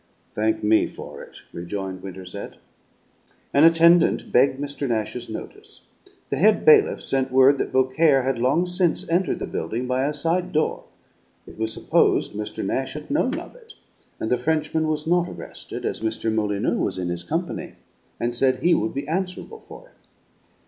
"Thank me for it," rejoined Winterset. An attendant begged Mr. Nash's notice. The head bailiff sent word that Beaucaire had long since entered the building by a side door. It was supposed Mr. Nash had known of it, and the Frenchman was not arrested, as Mr. Molyneux was in his company, and said he would be answerable for him.